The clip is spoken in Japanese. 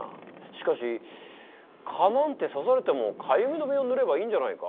しかし蚊なんて刺されてもかゆみ止めを塗ればいいんじゃないか？